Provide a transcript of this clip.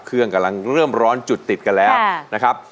กำลังเริ่มร้อนจุดติดกันแล้วนะครับ